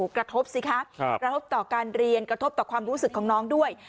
กระทบสิคะกระทบต่อการเรียนกระทบต่อความรู้สึกของน้องด้วย